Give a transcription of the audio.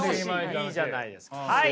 いいじゃないですか。